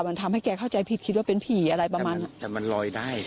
มันทำให้แกเข้าใจผิดคิดว่าเป็นผีอะไรประมาณแต่มันลอยได้